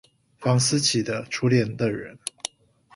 房思琪的初戀樂園